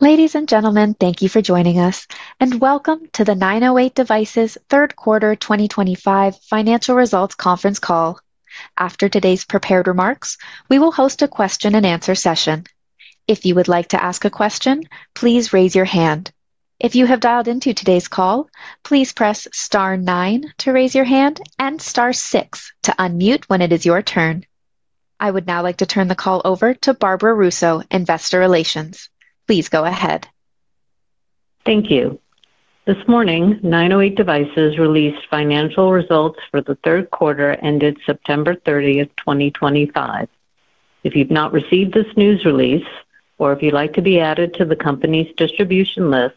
Ladies and gentlemen, thank you for joining us, and welcome to the 908 Devices Third Quarter 2025 financial results conference call. After today's prepared remarks, we will host a question-and-answer session. If you would like to ask a question, please raise your hand. If you have dialed into today's call, please press star nine to raise your hand and star six to unmute when it is your turn. I would now like to turn the call over to Barbara Russo, Investor Relations. Please go ahead. Thank you. This morning, 908 Devices released financial results for the third quarter ended September 30, 2025. If you've not received this news release, or if you'd like to be added to the company's distribution list,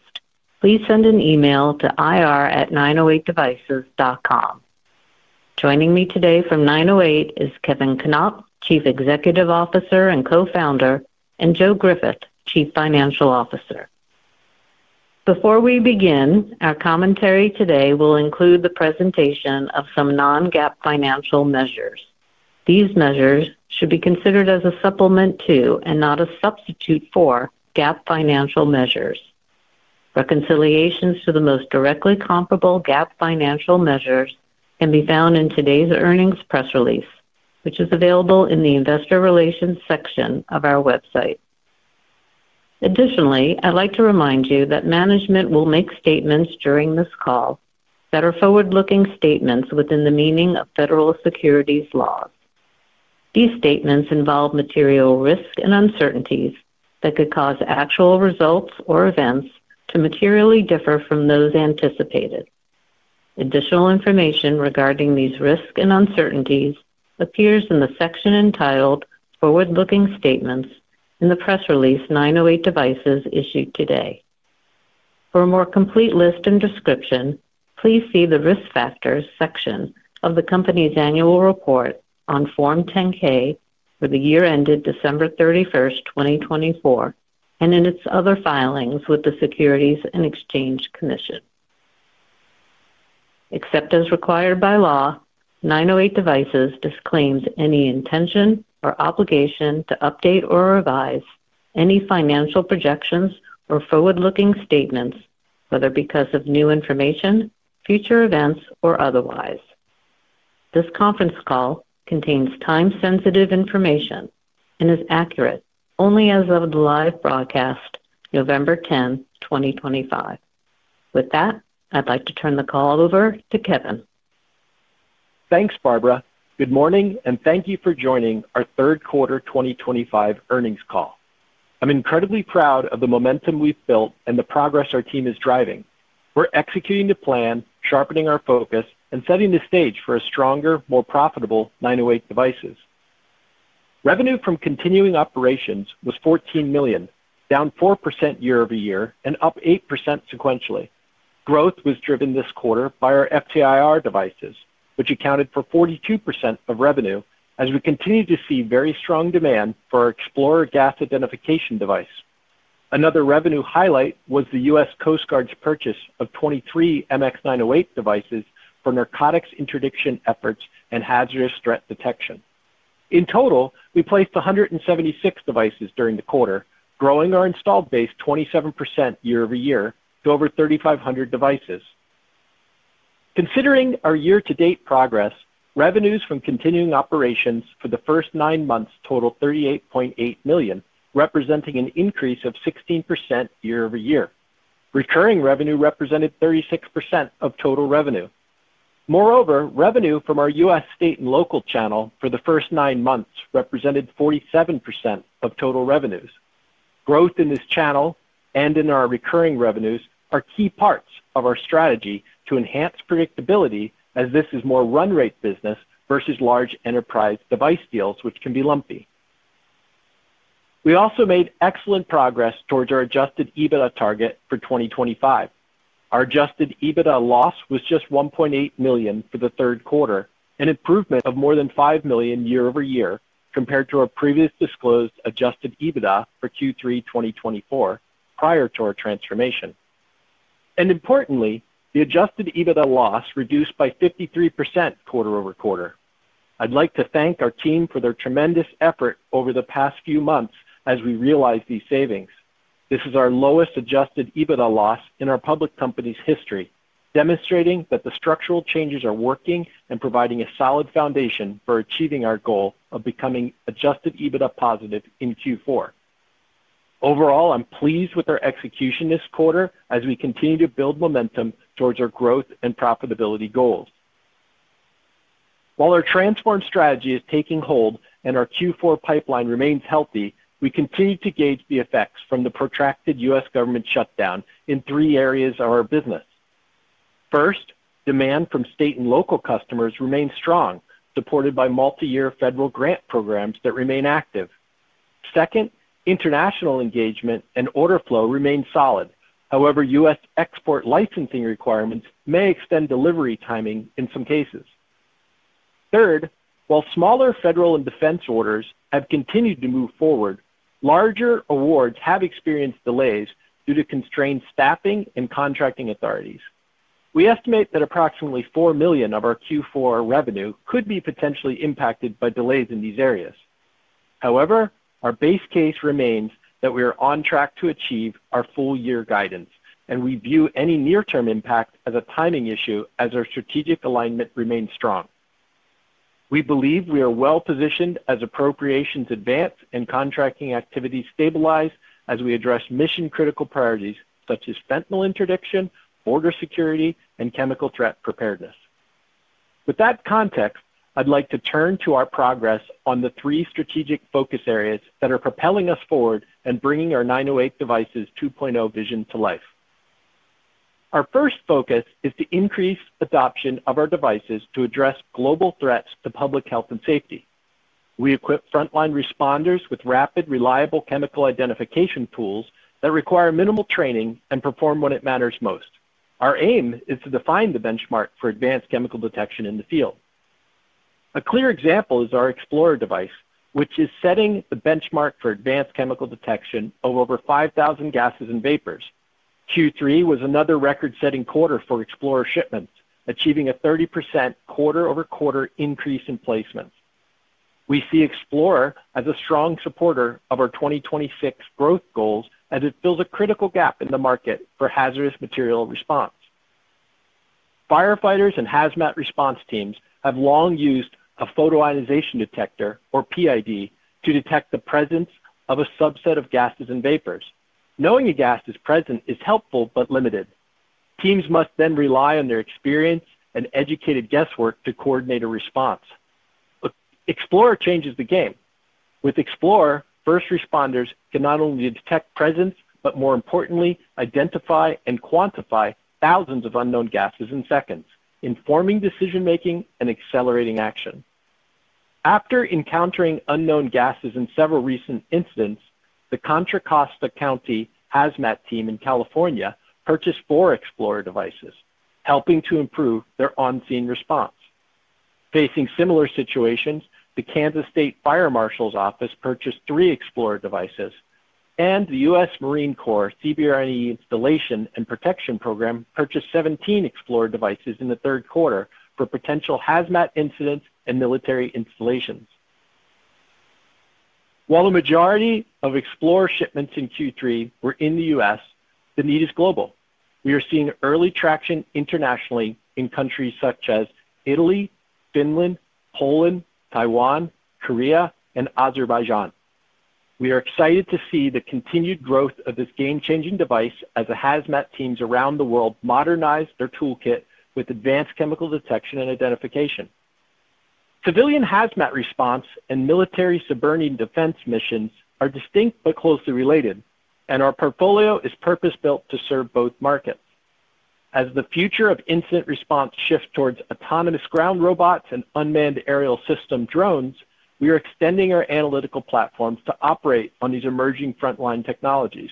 please send an email to ir@908devices.com. Joining me today from 908 is Kevin Knopp, Chief Executive Officer and Co-founder, and Joe Griffith, Chief Financial Officer. Before we begin, our commentary today will include the presentation of some non-GAAP financial measures. These measures should be considered as a supplement to, and not a substitute for, GAAP financial measures. Reconciliations to the most directly comparable GAAP financial measures can be found in today's earnings press release, which is available in the Investor Relations section of our website. Additionally, I'd like to remind you that management will make statements during this call that are forward-looking statements within the meaning of federal securities laws. These statements involve material risks and uncertainties that could cause actual results or events to materially differ from those anticipated. Additional information regarding these risks and uncertainties appears in the section entitled Forward-Looking Statements in the press release 908 Devices issued today. For a more complete list and description, please see the risk factors section of the company's annual report on Form 10-K for the year ended December 31, 2024, and in its other filings with the Securities and Exchange Commission. Except as required by law, 908 Devices disclaims any intention or obligation to update or revise any financial projections or forward-looking statements, whether because of new information, future events, or otherwise. This conference call contains time-sensitive information and is accurate only as of the live broadcast, November 10, 2025. With that, I'd like to turn the call over to Kevin. Thanks, Barbara. Good morning, and thank you for joining our Third Quarter 2025 earnings call. I'm incredibly proud of the momentum we've built and the progress our team is driving. We're executing the plan, sharpening our focus, and setting the stage for a stronger, more profitable 908 Devices. Revenue from continuing operations was $14 million, down 4% year over year and up 8% sequentially. Growth was driven this quarter by our FTIR devices, which accounted for 42% of revenue, as we continue to see very strong demand for our Explorer Gas Identification device. Another revenue highlight was the U.S. Coast Guard's purchase of 23 MX908 devices for narcotics interdiction efforts and hazardous threat detection. In total, we placed 176 devices during the quarter, growing our installed base 27% year over year to over 3,500 devices. Considering our year-to-date progress, revenues from continuing operations for the first nine months totaled $38.8 million, representing an increase of 16% year over year. Recurring revenue represented 36% of total revenue. Moreover, revenue from our U.S. state and local channel for the first nine months represented 47% of total revenues. Growth in this channel and in our recurring revenues are key parts of our strategy to enhance predictability, as this is more run-rate business versus large enterprise device deals, which can be lumpy. We also made excellent progress towards our adjusted EBITDA target for 2025. Our adjusted EBITDA loss was just $1.8 million for the third quarter, an improvement of more than $5 million year over year compared to our previous disclosed adjusted EBITDA for Q3 2024 prior to our transformation. Importantly, the adjusted EBITDA loss reduced by 53% quarter over quarter. I'd like to thank our team for their tremendous effort over the past few months as we realized these savings. This is our lowest adjusted EBITDA loss in our public company's history, demonstrating that the structural changes are working and providing a solid foundation for achieving our goal of becoming adjusted EBITDA positive in Q4. Overall, I'm pleased with our execution this quarter as we continue to build momentum towards our growth and profitability goals. While our transform strategy is taking hold and our Q4 pipeline remains healthy, we continue to gauge the effects from the protracted U.S. government shutdown in three areas of our business. First, demand from state and local customers remains strong, supported by multi-year federal grant programs that remain active. Second, international engagement and order flow remain solid. However, U.S. export licensing requirements may extend delivery timing in some cases. Third, while smaller federal and defense orders have continued to move forward, larger awards have experienced delays due to constrained staffing and contracting authorities. We estimate that approximately $4 million of our Q4 revenue could be potentially impacted by delays in these areas. However, our base case remains that we are on track to achieve our full-year guidance, and we view any near-term impact as a timing issue as our strategic alignment remains strong. We believe we are well-positioned as appropriations advance and contracting activities stabilize as we address mission-critical priorities such as fentanyl interdiction, border security, and chemical threat preparedness. With that context, I'd like to turn to our progress on the three strategic focus areas that are propelling us forward and bringing our 908 Devices 2.0 vision to life. Our first focus is to increase adoption of our devices to address global threats to public health and safety. We equip frontline responders with rapid, reliable chemical identification tools that require minimal training and perform when it matters most. Our aim is to define the benchmark for advanced chemical detection in the field. A clear example is our Explorer device, which is setting the benchmark for advanced chemical detection of over 5,000 gases and vapors. Q3 was another record-setting quarter for Explorer shipments, achieving a 30% quarter-over-quarter increase in placements. We see Explorer as a strong supporter of our 2026 growth goals as it fills a critical gap in the market for hazardous material response. Firefighters and hazmat response teams have long used a photoionization detector, or PID, to detect the presence of a subset of gases and vapors. Knowing a gas is present is helpful but limited. Teams must then rely on their experience and educated guesswork to coordinate a response. Explorer changes the game. With Explorer, first responders can not only detect presence, but more importantly, identify and quantify thousands of unknown gases in seconds, informing decision-making and accelerating action. After encountering unknown gases in several recent incidents, the Contra Costa County hazmat team in California purchased four Explorer devices, helping to improve their on-scene response. Facing similar situations, the Kansas State Fire Marshal's Office purchased three Explorer devices, and the U.S. Marine Corps CBRE installation and protection program purchased 17 Explorer devices in the third quarter for potential hazmat incidents and military installations. While a majority of Explorer shipments in Q3 were in the U.S., the need is global. We are seeing early traction internationally in countries such as Italy, Finland, Poland, Taiwan, Korea, and Azerbaijan. We are excited to see the continued growth of this game-changing device as the hazmat teams around the world modernize their toolkit with advanced chemical detection and identification. Civilian hazmat response and military submarine defense missions are distinct but closely related, and our portfolio is purpose-built to serve both markets. As the future of incident response shifts towards autonomous ground robots and unmanned aerial system drones, we are extending our analytical platforms to operate on these emerging frontline technologies.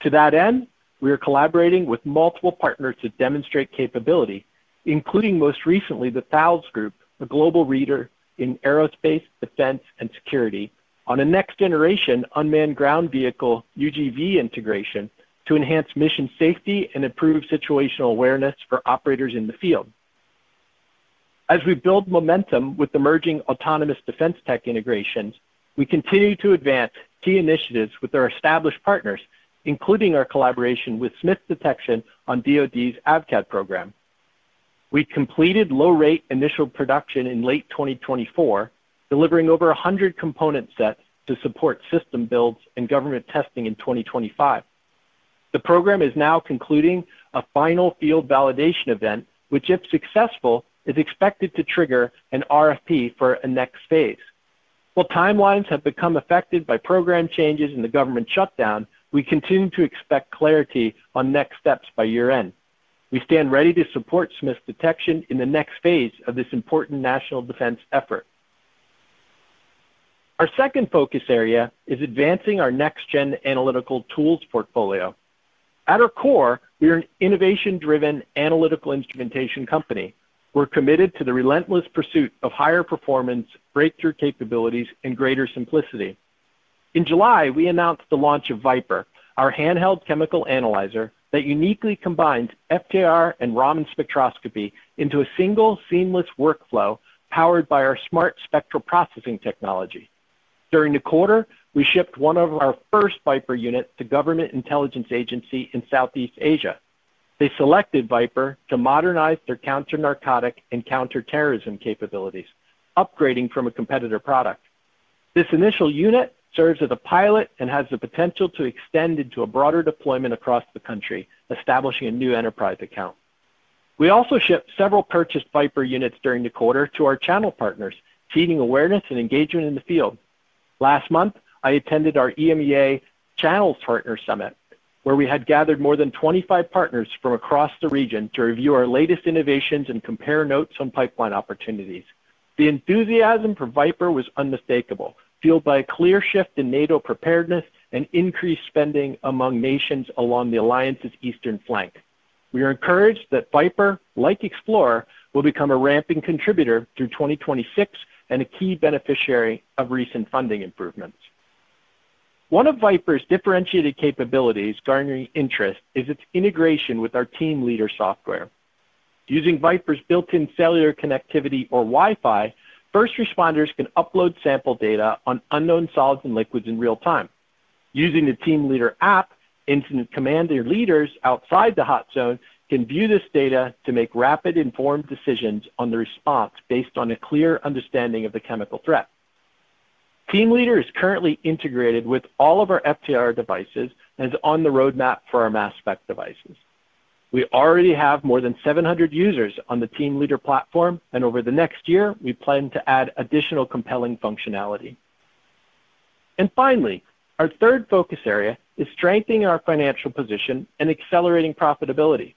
To that end, we are collaborating with multiple partners to demonstrate capability, including most recently the Thales Group, a global leader in aerospace, defense, and security, on a next-generation unmanned ground vehicle UGV integration to enhance mission safety and improve situational awareness for operators in the field. As we build momentum with emerging autonomous defense tech integrations, we continue to advance key initiatives with our established partners, including our collaboration with Smiths Detection on DoD's AVCAD program. We completed low-rate initial production in late 2024, delivering over 100 component sets to support system builds and government testing in 2025. The program is now concluding a final field validation event, which, if successful, is expected to trigger an RFP for a next phase. While timelines have become affected by program changes and the government shutdown, we continue to expect clarity on next steps by year-end. We stand ready to support Smiths Detection in the next phase of this important national defense effort. Our second focus area is advancing our next-gen analytical tools portfolio. At our core, we are an innovation-driven analytical instrumentation company. We're committed to the relentless pursuit of higher performance, breakthrough capabilities, and greater simplicity. In July, we announced the launch of VipIR, our handheld chemical analyzer that uniquely combines FTIR and Raman spectroscopy into a single, seamless workflow powered by our smart spectral processing technology. During the quarter, we shipped one of our first VipIR units to government intelligence agencies in Southeast Asia. They selected VipIR to modernize their counter-narcotic and counter-terrorism capabilities, upgrading from a competitor product. This initial unit serves as a pilot and has the potential to extend into a broader deployment across the country, establishing a new enterprise account. We also shipped several purchased VipIR units during the quarter to our channel partners, feeding awareness and engagement in the field. Last month, I attended our EMEA channel partner summit, where we had gathered more than 25 partners from across the region to review our latest innovations and compare notes on pipeline opportunities. The enthusiasm for VipIR was unmistakable, fueled by a clear shift in NATO preparedness and increased spending among nations along the alliance's eastern flank. We are encouraged that VipIR, like Explorer, will become a ramping contributor through 2026 and a key beneficiary of recent funding improvements. One of VipIR's differentiated capabilities garnering interest is its integration with our Team Leader software. Using VipIR's built-in cellular connectivity, or Wi-Fi, first responders can upload sample data on unknown solids and liquids in real time. Using the Team Leader app, incident command and leaders outside the hot zone can view this data to make rapid, informed decisions on the response based on a clear understanding of the chemical threat. Team Leader is currently integrated with all of our FTIR devices and is on the roadmap for our mass spec devices. We already have more than 700 users on the Team Leader platform, and over the next year, we plan to add additional compelling functionality. Finally, our third focus area is strengthening our financial position and accelerating profitability.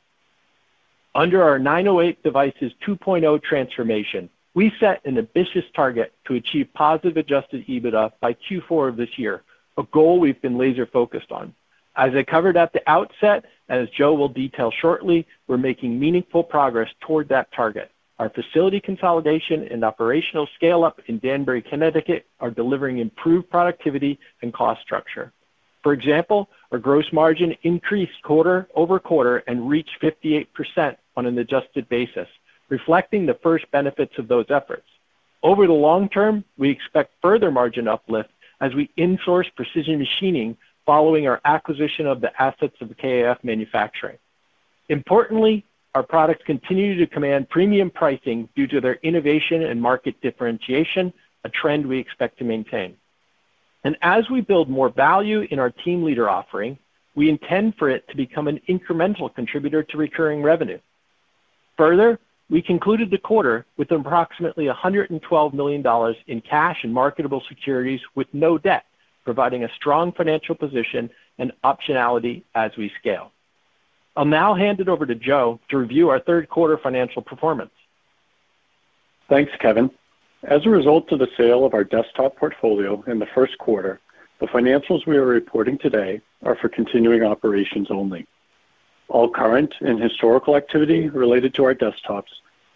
Under our 908 Devices 2.0 transformation, we set an ambitious target to achieve positive adjusted EBITDA by Q4 of this year, a goal we've been laser-focused on. As I covered at the outset, and as Joe will detail shortly, we're making meaningful progress toward that target. Our facility consolidation and operational scale-up in Danbury, Connecticut, are delivering improved productivity and cost structure. For example, our gross margin increased quarter over quarter and reached 58% on an adjusted basis, reflecting the first benefits of those efforts. Over the long term, we expect further margin uplift as we insource precision machining following our acquisition of the assets of KAF Manufacturing. Importantly, our products continue to command premium pricing due to their innovation and market differentiation, a trend we expect to maintain. As we build more value in our Team Leader offering, we intend for it to become an incremental contributor to recurring revenue. Further, we concluded the quarter with approximately $112 million in cash and marketable securities with no debt, providing a strong financial position and optionality as we scale. I'll now hand it over to Joe to review our third quarter financial performance. Thanks, Kevin. As a result of the sale of our desktop portfolio in the first quarter, the financials we are reporting today are for continuing operations only. All current and historical activity related to our desktops,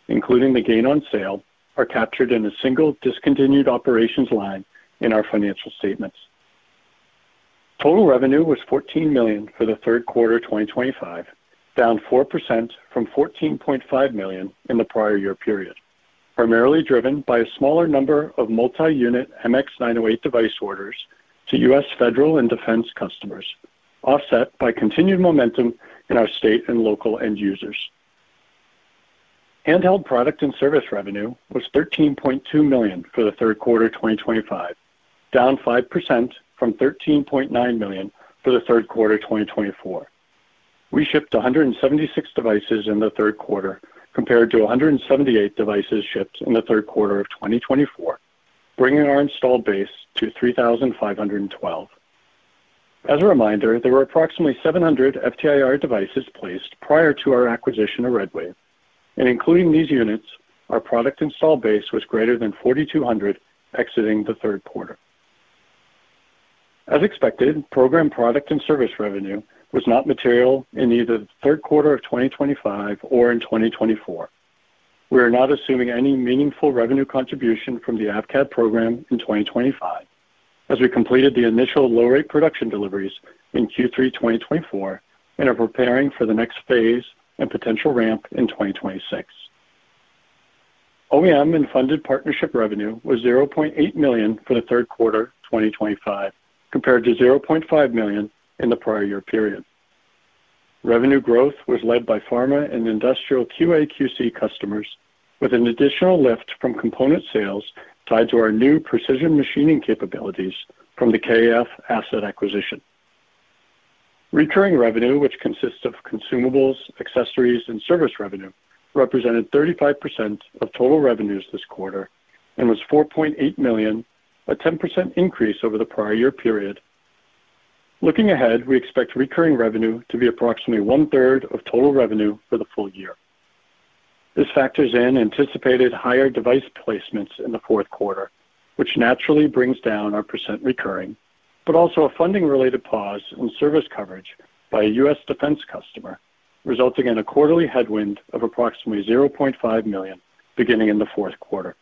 including the gain on sale, are captured in a single discontinued operations line in our financial statements. Total revenue was $14 million for the third quarter 2025, down 4% from $14.5 million in the prior year period, primarily driven by a smaller number of multi-unit MX908 device orders to U.S. federal and defense customers, offset by continued momentum in our state and local end users. Handheld product and service revenue was $13.2 million for the third quarter 2025, down 5% from $13.9 million for the third quarter 2024. We shipped 176 devices in the third quarter compared to 178 devices shipped in the third quarter of 2024, bringing our install base to 3,512. As a reminder, there were approximately 700 FTIR devices placed prior to our acquisition of Red Wave. Including these units, our product install base was greater than 4,200 exiting the third quarter. As expected, program product and service revenue was not material in either the third quarter of 2025 or in 2024. We are not assuming any meaningful revenue contribution from the AVCAD program in 2025, as we completed the initial low-rate production deliveries in Q3 2024 and are preparing for the next phase and potential ramp in 2026. OEM and funded partnership revenue was $0.8 million for the third quarter 2025, compared to $0.5 million in the prior year period. Revenue growth was led by pharma and industrial QA/QC customers, with an additional lift from component sales tied to our new precision machining capabilities from the KAF asset acquisition. Recurring revenue, which consists of consumables, accessories, and service revenue, represented 35% of total revenues this quarter and was $4.8 million, a 10% increase over the prior year period. Looking ahead, we expect recurring revenue to be approximately 1/3 of total revenue for the full year. This factors in anticipated higher device placements in the fourth quarter, which naturally brings down our percent recurring, but also a funding-related pause in service coverage by a U.S. defense customer, resulting in a quarterly headwind of approximately $500,000 beginning in the fourth quarter.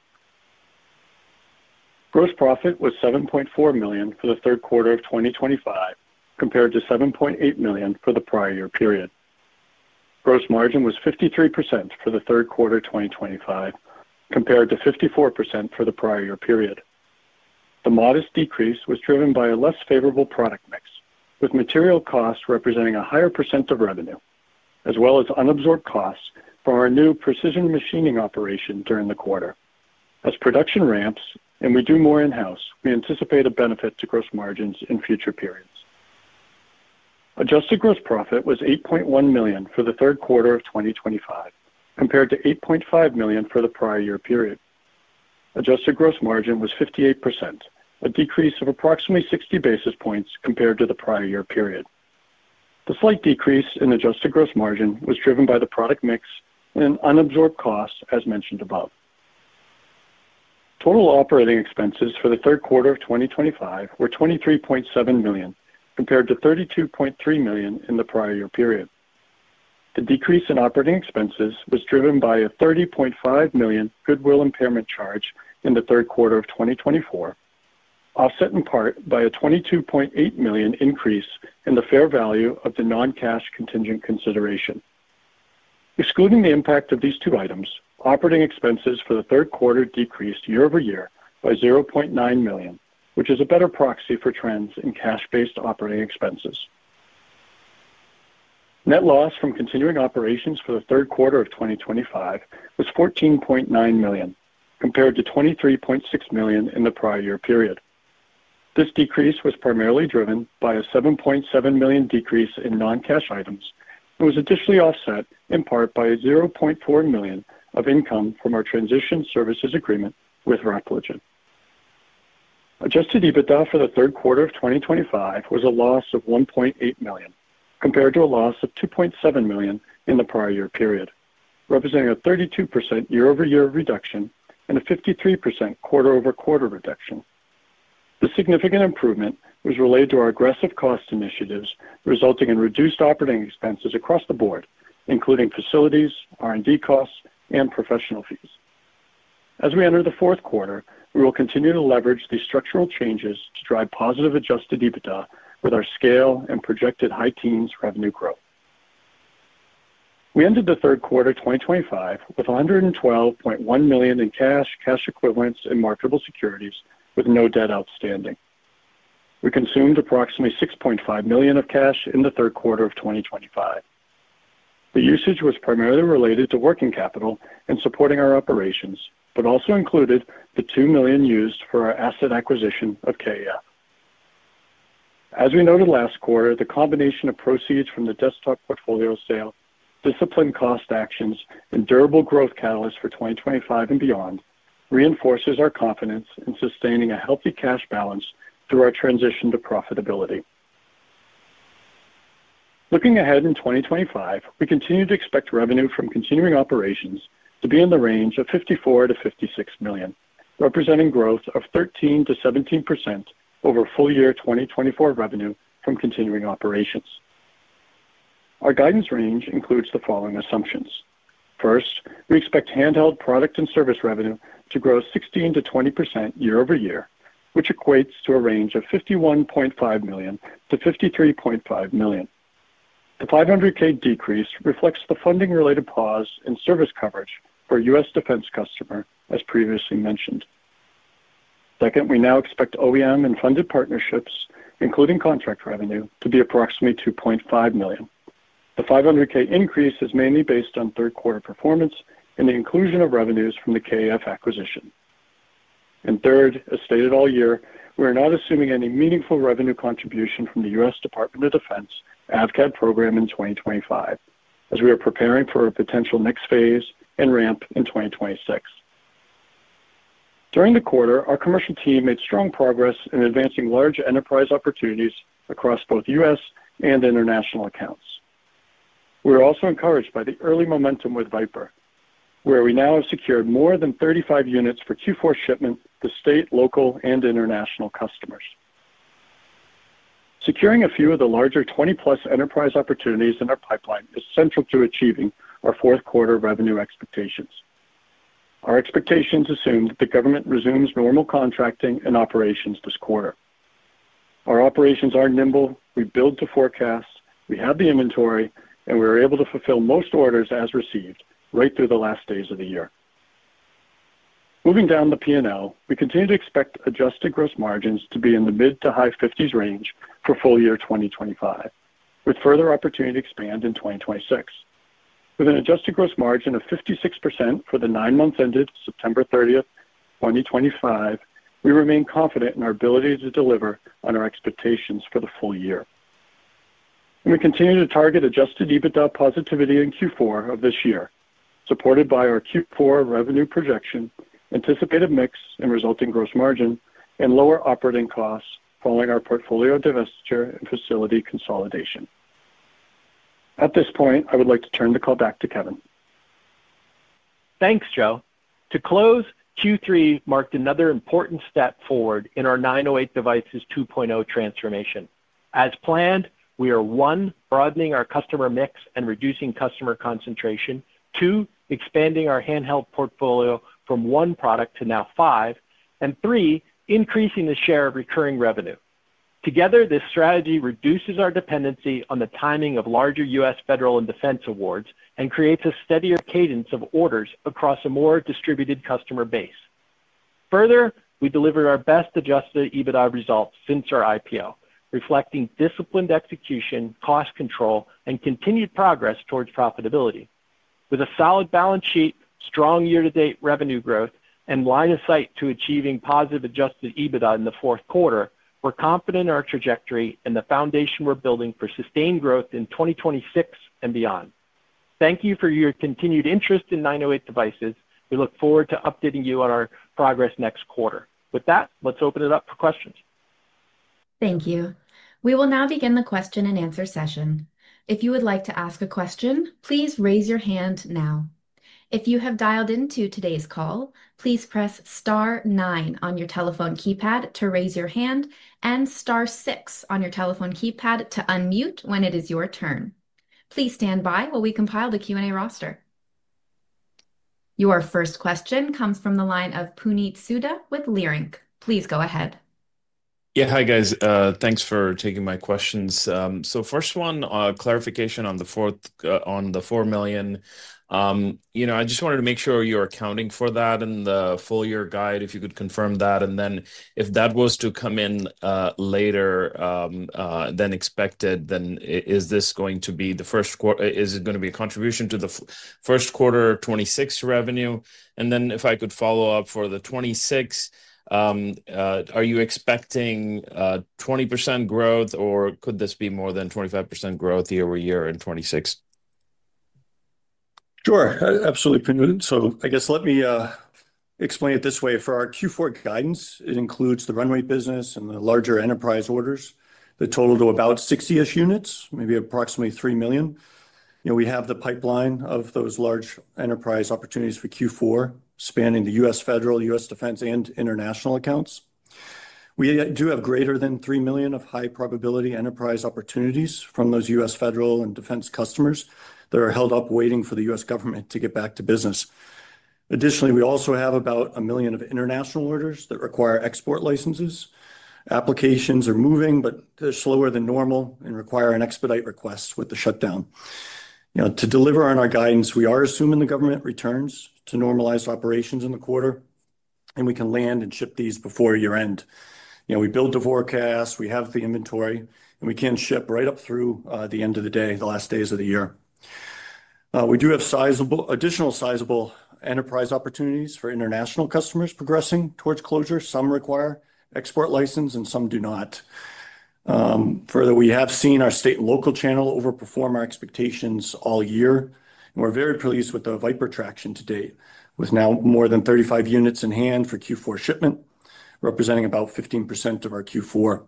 Gross profit was $7.4 million for the third quarter of 2025, compared to $7.8 million for the prior year period. Gross margin was 53% for the third quarter 2025, compared to 54% for the prior year period. The modest decrease was driven by a less favorable product mix, with material costs representing a higher percent of revenue, as well as unabsorbed costs from our new precision machining operation during the quarter. As production ramps and we do more in-house, we anticipate a benefit to gross margins in future periods. Adjusted gross profit was $8.1 million for the third quarter of 2025, compared to $8.5 million for the prior year period. Adjusted gross margin was 58%, a decrease of approximately 60 basis points compared to the prior year period. The slight decrease in adjusted gross margin was driven by the product mix and unabsorbed costs, as mentioned above. Total operating expenses for the third quarter of 2025 were $23.7 million, compared to $32.3 million in the prior year period. The decrease in operating expenses was driven by a $30.5 million goodwill impairment charge in the third quarter of 2024, offset in part by a $22.8 million increase in the fair value of the non-cash contingent consideration. Excluding the impact of these two items, operating expenses for the third quarter decreased year over year by $0.9 million, which is a better proxy for trends in cash-based operating expenses. Net loss from continuing operations for the third quarter of 2025 was $14.9 million, compared to $23.6 million in the prior year period. This decrease was primarily driven by a $7.7 million decrease in non-cash items and was additionally offset in part by $0.4 million of income from our transition services agreement with Rocklegend. Adjusted EBITDA for the third quarter of 2025 was a loss of $1.8 million, compared to a loss of $2.7 million in the prior year period, representing a 32% year-over-year reduction and a 53% quarter-over-quarter reduction. The significant improvement was related to our aggressive cost initiatives, resulting in reduced operating expenses across the board, including facilities, R&D costs, and professional fees. As we enter the fourth quarter, we will continue to leverage these structural changes to drive positive adjusted EBITDA with our scale and projected high teens revenue growth. We ended the third quarter 2025 with $112.1 million in cash, cash equivalents, and marketable securities, with no debt outstanding. We consumed approximately $6.5 million of cash in the third quarter of 2025. The usage was primarily related to working capital and supporting our operations, but also included the $2 million used for our asset acquisition of KAF. As we noted last quarter, the combination of proceeds from the desktop portfolio sale, disciplined cost actions, and durable growth catalysts for 2025 and beyond reinforces our confidence in sustaining a healthy cash balance through our transition to profitability. Looking ahead in 2025, we continue to expect revenue from continuing operations to be in the range of $54-$56 million, representing growth of 13%-17% over full year 2024 revenue from continuing operations. Our guidance range includes the following assumptions. First, we expect handheld product and service revenue to grow 16%-20% year over year, which equates to a range of $51.5 million-$53.5 million. The $500,000 decrease reflects the funding-related pause in service coverage for a U.S. defense customer, as previously mentioned. Second, we now expect OEM and funded partnerships, including contract revenue, to be approximately $2.5 million. The $500,000 increase is mainly based on third quarter performance and the inclusion of revenues from the KAF acquisition. Third, as stated all year, we are not assuming any meaningful revenue contribution from the U.S. Department of Defense AVCAD program in 2025, as we are preparing for a potential next phase and ramp in 2026. During the quarter, our commercial team made strong progress in advancing large enterprise opportunities across both U.S. and international accounts. We were also encouraged by the early momentum with VipIR, where we now have secured more than 35 units for Q4 shipment to state, local, and international customers. Securing a few of the larger 20-plus enterprise opportunities in our pipeline is central to achieving our fourth quarter revenue expectations. Our expectations assume that the government resumes normal contracting and operations this quarter. Our operations are nimble, we build to forecast, we have the inventory, and we are able to fulfill most orders as received right through the last days of the year. Moving down the P&L, we continue to expect adjusted gross margins to be in the mid to high 50% range for full year 2025, with further opportunity to expand in 2026. With an adjusted gross margin of 56% for the nine months ended September 30, 2025, we remain confident in our ability to deliver on our expectations for the full year. We continue to target adjusted EBITDA positivity in Q4 of this year, supported by our Q4 revenue projection, anticipated mix and resulting gross margin, and lower operating costs following our portfolio divestiture and facility consolidation. At this point, I would like to turn the call back to Kevin. Thanks, Joe. To close, Q3 marked another important step forward in our 908 Devices 2.0 transformation. As planned, we are: one, broadening our customer mix and reducing customer concentration; two, expanding our handheld portfolio from one product to now five; and three, increasing the share of recurring revenue. Together, this strategy reduces our dependency on the timing of larger U.S. Federal and defense awards and creates a steadier cadence of orders across a more distributed customer base. Further, we delivered our best adjusted EBITDA results since our IPO, reflecting disciplined execution, cost control, and continued progress towards profitability. With a solid balance sheet, strong year-to-date revenue growth, and line of sight to achieving positive adjusted EBITDA in the fourth quarter, we're confident in our trajectory and the foundation we're building for sustained growth in 2026 and beyond. Thank you for your continued interest in 908 Devices. We look forward to updating you on our progress next quarter. With that, let's open it up for questions. Thank you. We will now begin the question and answer session. If you would like to ask a question, please raise your hand now. If you have dialed into today's call, please press star nine on your telephone keypad to raise your hand and star six on your telephone keypad to unmute when it is your turn. Please stand by while we compile the Q&A roster. Your first question comes from the line of Puneet Souda with Leerink. Please go ahead. Yeah, hi guys. Thanks for taking my questions. So first one, clarification on the $4 million. You know, I just wanted to make sure you're accounting for that in the full year guide, if you could confirm that. And then if that was to come in later, than expected, then is this going to be the first quarter? Is it going to be a contribution to the first quarter 2026 revenue? If I could follow up for 2026, are you expecting 20% growth or could this be more than 25% growth year over year in 2026? Sure, absolutely, Puneet. I guess let me explain it this way. For our Q4 guidance, it includes the runway business and the larger enterprise orders that total to about 60-ish units, maybe approximately $3 million. You know, we have the pipeline of those large enterprise opportunities for Q4 spanning the U.S. federal, U.S. defense, and international accounts. We do have greater than $3 million of high-probability enterprise opportunities from those U.S. federal and defense customers that are held up waiting for the U.S. government to get back to business. Additionally, we also have about $1 million of international orders that require export licenses. Applications are moving, but they're slower than normal and require an expedite request with the shutdown. You know, to deliver on our guidance, we are assuming the government returns to normalize operations in the quarter, and we can land and ship these before year-end. You know, we build to forecast, we have the inventory, and we can ship right up through the end of the day, the last days of the year. We do have additional sizable enterprise opportunities for international customers progressing towards closure. Some require export license and some do not. Further, we have seen our state and local channel overperform our expectations all year, and we're very pleased with the VipIR traction to date, with now more than 35 units in hand for Q4 shipment, representing about 15% of our Q4.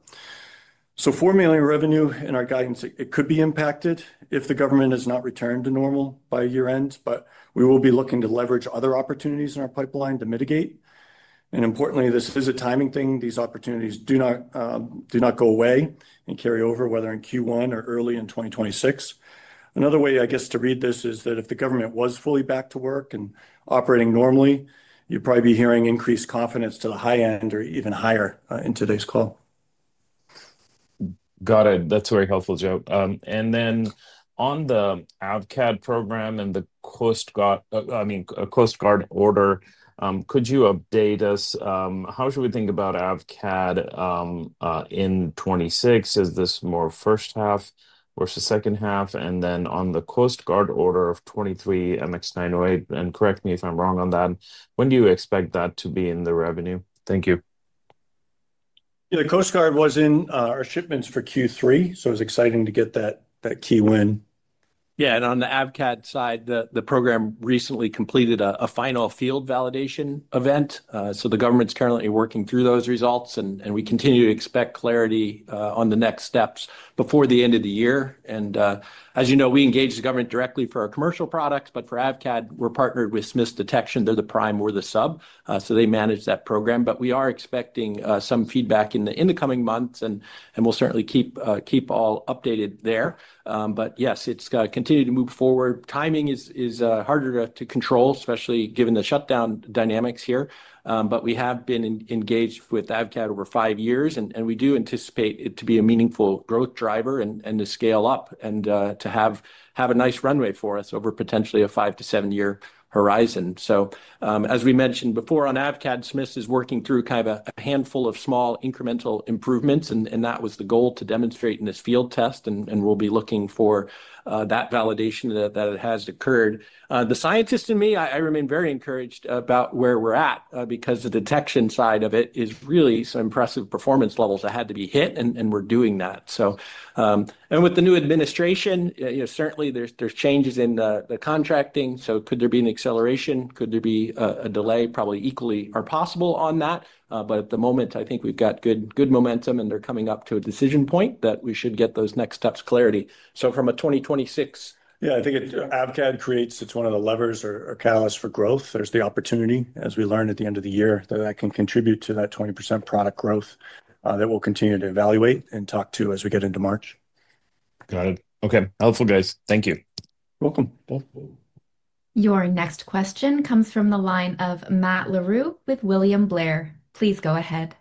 $4 million revenue in our guidance, it could be impacted if the government has not returned to normal by year-end, but we will be looking to leverage other opportunities in our pipeline to mitigate. Importantly, this is a timing thing. These opportunities do not go away and carry over, whether in Q1 or early in 2026. Another way, I guess, to read this is that if the government was fully back to work and operating normally, you'd probably be hearing increased confidence to the high end or even higher in today's call. Got it. That's very helpful, Joe. Then on the AVCAD program and the Coast Guard, I mean, Coast Guard order, could you update us? How should we think about AVCAD in 2026? Is this more first half versus second half? And then on the Coast Guard order of 2023, MX908, and correct me if I'm wrong on that. When do you expect that to be in the revenue? Thank you. Yeah, the Coast Guard was in our shipments for Q3, so it was exciting to get that key win. Yeah, and on the AVCAD side, the program recently completed a final field validation event. The government's currently working through those results, and we continue to expect clarity on the next steps before the end of the year. As you know, we engage the government directly for our commercial products, but for AVCAD, we're partnered with Smiths Detection. They're the prime or the sub, so they manage that program. We are expecting some feedback in the coming months, and we'll certainly keep all updated there. Yes, it's continued to move forward. Timing is harder to control, especially given the shutdown dynamics here. But we have been engaged with AVCAD over five years, and we do anticipate it to be a meaningful growth driver and to scale up and to have a nice runway for us over potentially a five to seven-year horizon. As we mentioned before on AVCAD, Smiths is working through kind of a handful of small incremental improvements, and that was the goal to demonstrate in this field test, and we'll be looking for that validation that has occurred. The scientist in me, I remain very encouraged about where we're at because the detection side of it is really some impressive performance levels that had to be hit, and we're doing that. With the new administration, you know, certainly there's changes in the contracting. Could there be an acceleration? Could there be a delay? Probably equally are possible on that. At the moment, I think we've got good momentum, and they're coming up to a decision point that we should get those next steps clarity. From a 2026, yeah, I think AVCAD creates, it's one of the levers or catalysts for growth. There's the opportunity, as we learned at the end of the year, that that can contribute to that 20% product growth that we'll continue to evaluate and talk to as we get into March. Got it. Okay, helpful, guys. Thank you. You're welcome. Your next question comes from the line of Matt Larue with William Blair. Please go ahead.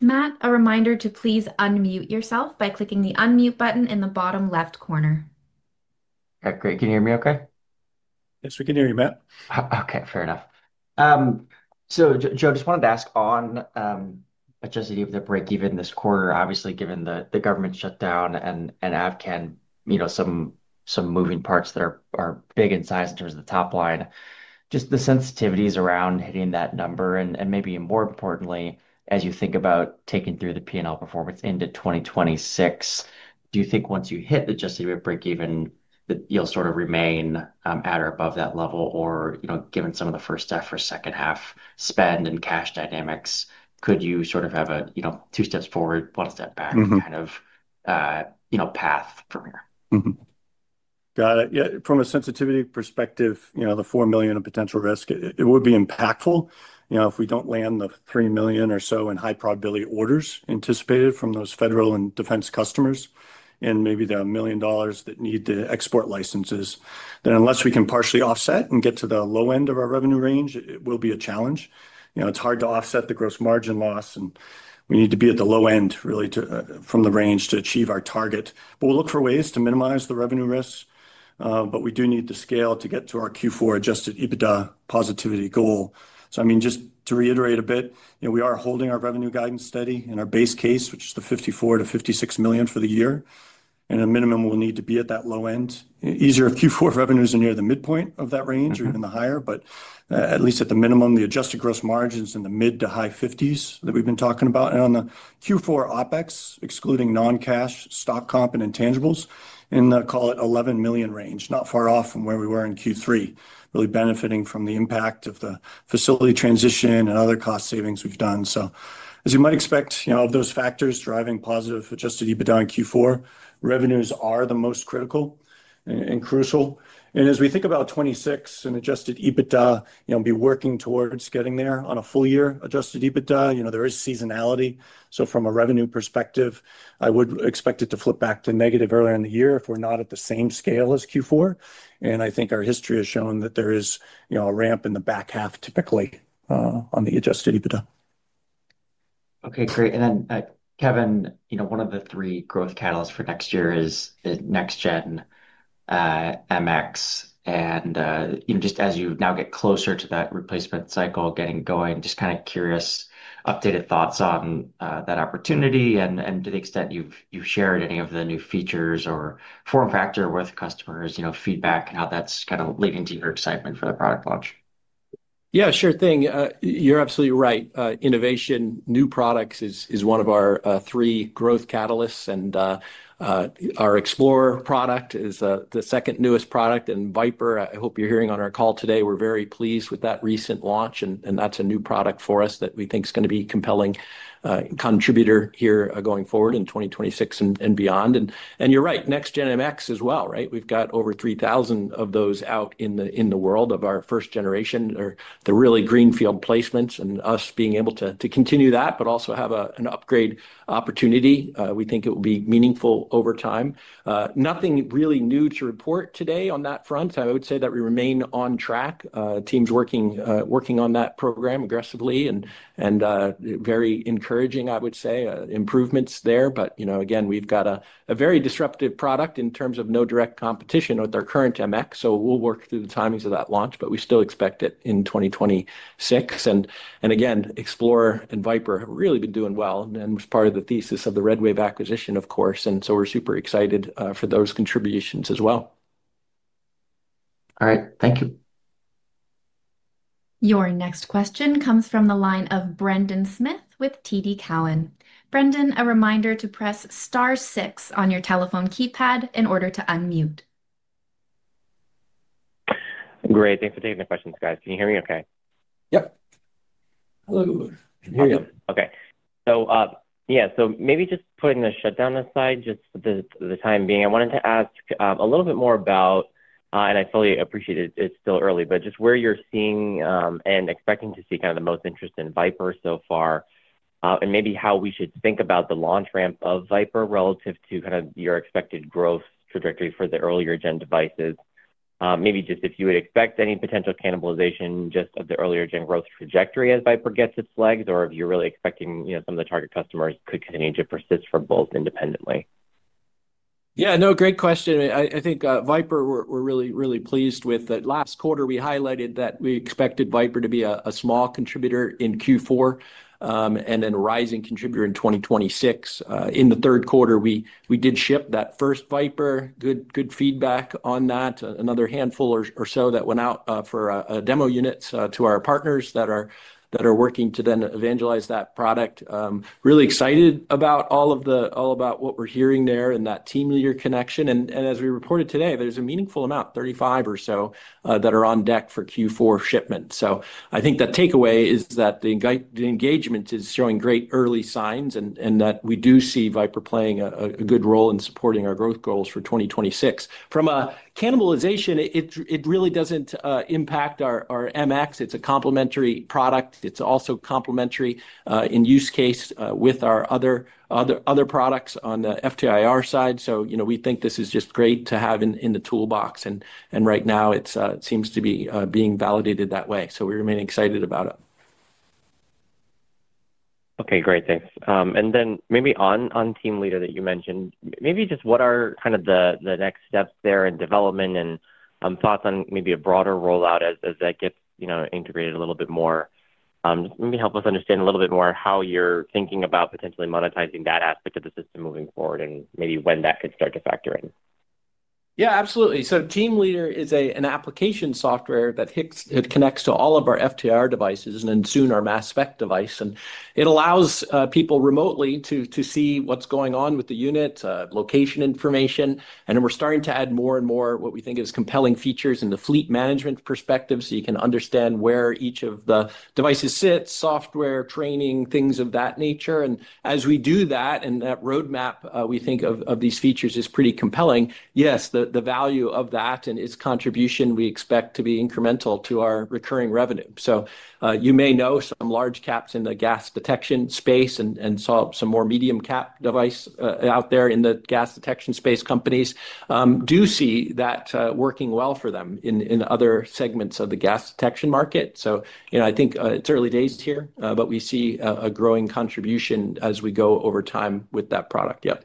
Matt, a reminder to please unmute yourself by clicking the unmute button in the bottom left corner. Okay, great. Can you hear me okay? Yes, we can hear you, Matt. Okay, fair enough. Joe, I just wanted to ask on adjusted EBITDA break-even this quarter, obviously given the government shutdown and AVCAD, you know, some moving parts that are big in size in terms of the top line. Just the sensitivities around hitting that number and maybe more importantly, as you think about taking through the P&L performance into 2026, do you think once you hit the adjusted EBITDA break-even, that you'll sort of remain at or above that level or, you know, given some of the first step for second half spend and cash dynamics, could you sort of have a, you know, two steps forward, one step back kind of, you know, path from here? Got it. Yeah, from a sensitivity perspective, you know, the $4 million of potential risk, it would be impactful, you know, if we do not land the $3 million or so in high-probability orders anticipated from those federal and defense customers and maybe the $1 million that need the export licenses. Then unless we can partially offset and get to the low end of our revenue range, it will be a challenge. You know, it is hard to offset the gross margin loss, and we need to be at the low end really from the range to achieve our target. We will look for ways to minimize the revenue risks. We do need to scale to get to our Q4 adjusted EBITDA positivity goal. So, I mean, just to reiterate a bit, you know, we are holding our revenue guidance steady in our base case, which is the $54-$56 million for the year. And a minimum will need to be at that low end. Easier if Q4 revenues are near the midpoint of that range or even the higher, but at least at the minimum, the adjusted gross margins in the mid to high 50% that we've been talking about. And on the Q4 OpEx, excluding non-cash, stock comp, and intangibles in the, call it, $11 million range, not far off from where we were in Q3, really benefiting from the impact of the facility transition and other cost savings we've done. As you might expect, you know, of those factors driving positive adjusted EBITDA in Q4, revenues are the most critical and crucial. As we think about '26 and adjusted EBITDA, you know, be working towards getting there on a full year adjusted EBITDA, you know, there is seasonality. From a revenue perspective, I would expect it to flip back to negative earlier in the year if we're not at the same scale as Q4. I think our history has shown that there is, you know, a ramp in the back half typically on the adjusted EBITDA. Okay, great. Kevin, you know, one of the three growth catalysts for next year is the NextGen MX. And, you know, just as you now get closer to that replacement cycle getting going, just kind of curious updated thoughts on that opportunity and to the extent you've shared any of the new features or form factor with customers, you know, feedback and how that's kind of leading to your excitement for the product launch. Yeah, sure thing. You're absolutely right. Innovation, new products is one of our three growth catalysts. And our Explorer product is the second newest product. And VipIR, I hope you're hearing on our call today, we're very pleased with that recent launch. And that's a new product for us that we think is going to be a compelling contributor here going forward in 2026 and beyond. And you're right, NextGen MX as well, right? We've got over 3,000 of those out in the world of our first generation or the really greenfield placements and us being able to continue that, but also have an upgrade opportunity. We think it will be meaningful over time. Nothing really new to report today on that front. I would say that we remain on track. Teams working on that program aggressively and very encouraging, I would say, improvements there. You know, again, we've got a very disruptive product in terms of no direct competition with our current MX. We'll work through the timings of that launch, but we still expect it in 2026. Again, Explorer and VipIR have really been doing well and was part of the thesis of the Red Wave acquisition, of course. We're super excited for those contributions as well. All right, thank you. Your next question comes from the line of Brendan Smith with TD Cowen. Brendan, a reminder to press star six on your telephone keypad in order to unmute. Great, thanks for taking the questions, guys. Can you hear me okay? Yep. Hello. I can hear you. Okay. So yeah, maybe just putting the shutdown aside just for the time being, I wanted to ask a little bit more about, and I fully appreciate it's still early, but just where you're seeing and expecting to see kind of the most interest in VipIR so far and maybe how we should think about the launch ramp of VipIR relative to kind of your expected growth trajectory for the earlier gen devices. Maybe just if you would expect any potential cannibalization just of the earlier-gen growth trajectory as VipIR gets its legs or if you're really expecting, you know, some of the target customers could continue to persist for both independently. Yeah, no, great question. I think VipIR, we're really, really pleased with that. Last quarter we highlighted that we expected VipIR to be a small contributor in Q4 and then a rising contributor in 2026. In the third quarter, we did ship that first VipIR. Good feedback on that. Another handful or so that went out for demo units to our partners that are working to then evangelize that product. Really excited about all of the, all about what we're hearing there and that Team Leader connection. As we reported today, there's a meaningful amount, 35 or so, that are on deck for Q4 shipment. I think the takeaway is that the engagement is showing great early signs and that we do see VipIR playing a good role in supporting our growth goals for 2026. From a cannibalization, it really does not impact our MX. It is a complementary product. It is also complementary in use case with our other products on the FTIR side. You know, we think this is just great to have in the toolbox. Right now it seems to be being validated that way. We remain excited about it. Okay, great, thanks. Maybe on Team Leader that you mentioned, maybe just what are kind of the next steps there in development and thoughts on maybe a broader rollout as that gets, you know, integrated a little bit more. Just maybe help us understand a little bit more how you're thinking about potentially monetizing that aspect of the system moving forward and maybe when that could start to factor in. Yeah, absolutely. Team Leader is an application software that connects to all of our FTIR devices and then soon our Mass Spec device. It allows people remotely to see what's going on with the unit, location information. We're starting to add more and more what we think is compelling features in the fleet management perspective so you can understand where each of the devices sits, software, training, things of that nature. As we do that and that roadmap, we think of these features as pretty compelling. Yes, the value of that and its contribution we expect to be incremental to our recurring revenue. You may know some large caps in the gas detection space and saw some more medium cap device out there in the gas detection space. Companies do see that working well for them in other segments of the gas detection market. I think it's early days here, but we see a growing contribution as we go over time with that product. Yep.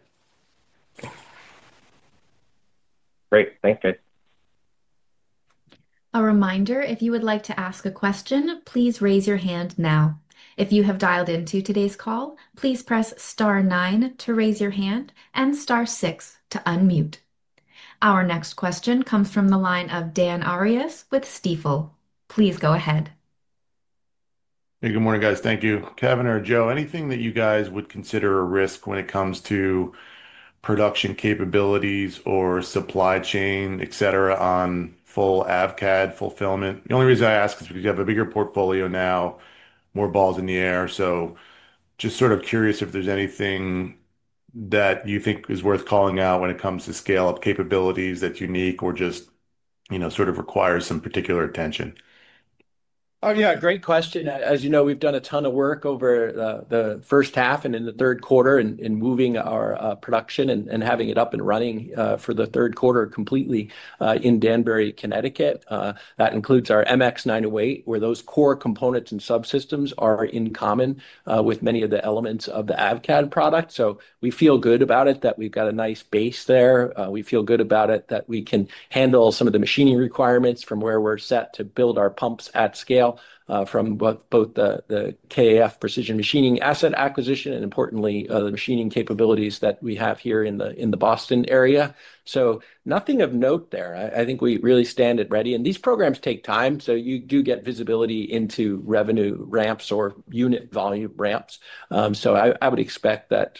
Great, thank you. A reminder, if you would like to ask a question, please raise your hand now. If you have dialed into today's call, please press star 9 to raise your hand and star six to unmute. Our next question comes from the line of Dan Arias with Stifel. Please go ahead. Hey, good morning, guys. Thank you. Kevin or Joe, anything that you guys would consider a risk when it comes to production capabilities or supply chain, et cetera, on full AVCAD fulfillment? The only reason I ask is because you have a bigger portfolio now, more balls in the air. Just sort of curious if there's anything that you think is worth calling out when it comes to scale-up capabilities that's unique or just, you know, sort of requires some particular attention. Oh, yeah, great question. As you know, we've done a ton of work over the first half and in the third quarter in moving our production and having it up and running for the third quarter completely in Danbury, Connecticut. That includes our MX908, where those core components and subsystems are in common with many of the elements of the AVCAD product. We feel good about it that we've got a nice base there. We feel good about it that we can handle some of the machining requirements from where we're set to build our pumps at scale from both the KAF precision machining asset acquisition and, importantly, the machining capabilities that we have here in the Boston area. Nothing of note there. I think we really stand ready. These programs take time. You do get visibility into revenue ramps or unit volume ramps. I would expect that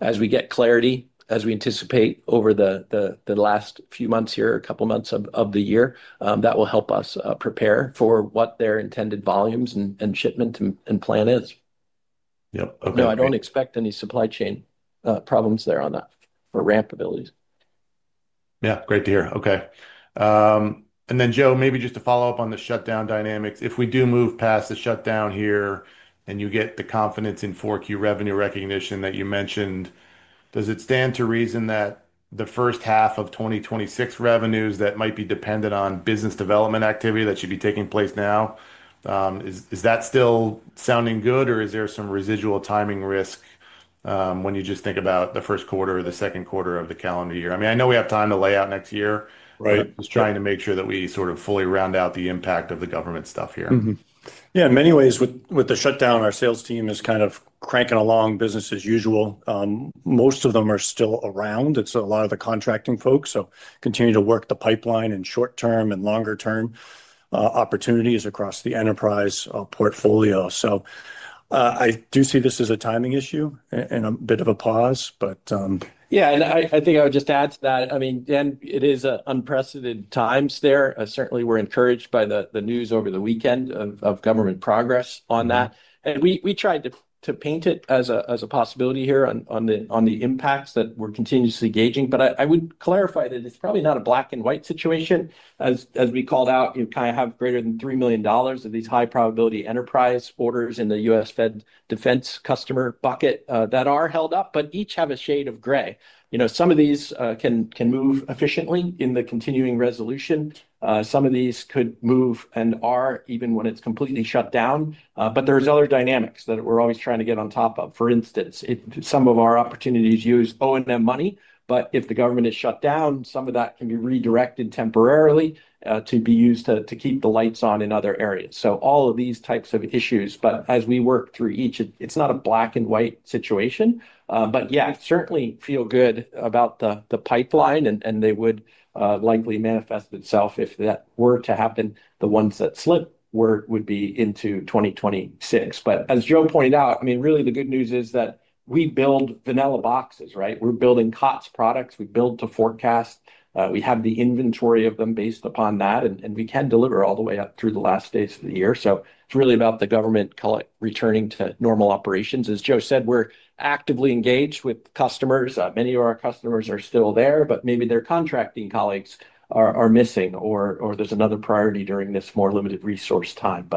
as we get clarity, as we anticipate over the last few months here, a couple months of the year, that will help us prepare for what their intended volumes and shipment and plan is. Yep. Okay. No, I don't expect any supply chain problems there on that for rampability. Yeah, great to hear. Okay. And then, Joe, maybe just to follow up on the shutdown dynamics. If we do move past the shutdown here and you get the confidence in Q4 revenue recognition that you mentioned, does it stand to reason that the first half of 2026 revenues that might be dependent on business development activity that should be taking place now, is that still sounding good or is there some residual timing risk when you just think about the first quarter or the second quarter of the calendar year? I mean, I know we have time to lay out next year. Right. Just trying to make sure that we sort of fully round out the impact of the government stuff here. Yeah, in many ways with the shutdown, our sales team is kind of cranking along business as usual. Most of them are still around. It's a lot of the contracting folks. Continue to work the pipeline in short term and longer term opportunities across the enterprise portfolio. I do see this as a timing issue and a bit of a pause. Yeah, and I think I would just add to that. I mean, Dan, it is unprecedented times there. Certainly, we're encouraged by the news over the weekend of government progress on that. We tried to paint it as a possibility here on the impacts that we're continuously gauging. I would clarify that it's probably not a black and white situation. As we called out, you kind of have greater than $3 million of these high-probability enterprise orders in the U.S. fed defense customer bucket that are held up, but each have a shade of gray. You know, some of these can move efficiently in the continuing resolution. Some of these could move and are even when it's completely shut down. There are other dynamics that we're always trying to get on top of. For instance, some of our opportunities use O&M money, but if the government is shut down, some of that can be redirected temporarily to be used to keep the lights on in other areas. All of these types of issues. As we work through each, it's not a black and white situation. Yeah, certainly feel good about the pipeline and they would likely manifest itself if that were to happen. The ones that slip would be into 2026. As Joe pointed out, I mean, really the good news is that we build vanilla boxes, right? We're building COTS products. We build to forecast. We have the inventory of them based upon that. We can deliver all the way up through the last days of the year. It is really about the government returning to normal operations. As Joe said, we are actively engaged with customers. Many of our customers are still there, but maybe their contracting colleagues are missing or there is another priority during this more limited resource time.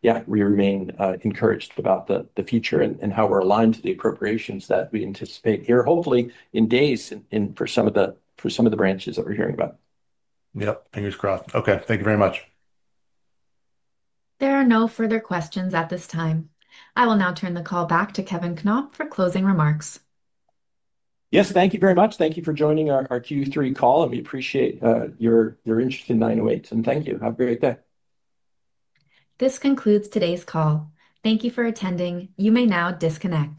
Yeah, we remain encouraged about the future and how we are aligned to the appropriations that we anticipate here, hopefully in days for some of the branches that we are hearing about. Yep, fingers crossed. Okay, thank you very much. There are no further questions at this time. I will now turn the call back to Kevin Knopp for closing remarks. Yes, thank you very much. Thank you for joining our Q3 call. We appreciate your interest in 908 Devices. Thank you. Have a great day. This concludes today's call. Thank you for attending. You may now disconnect.